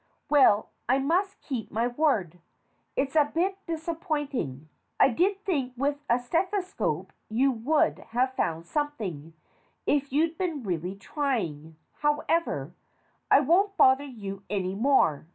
Well, I must keep my word. It's a bit disappoint ing. I did think that with a stethoscope you would have found something, if you'd been really trying. However, I won't bother you any more.